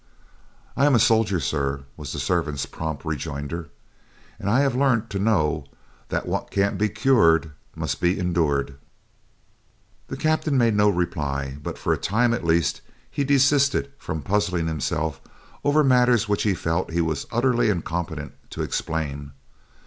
"I am a soldier, sir," was the servant's prompt rejoinder, "and I have learnt to know that 'what can't be cured must be endured.'" The captain made no reply, but for a time, at least, he desisted from puzzling himself over matters which he felt he was utterly incompetent to explain.